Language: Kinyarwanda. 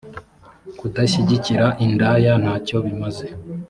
kudashyigikira indaya ntacyo bimaze